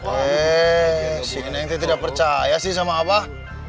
heee si neng tidak percaya sih sama abah